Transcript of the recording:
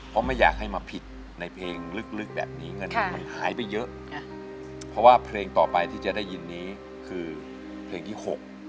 เพราะไม่อยากให้มาผิดในเพลงลึกแบบนี้เงินมันหายไปเยอะเพราะว่าเพลงต่อไปที่จะได้ยินนี้คือเพลงที่๖